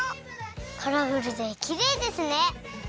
カラフルできれいですね！